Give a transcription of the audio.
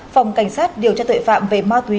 phòng cảnh sát điều tra tội phạm về ma túy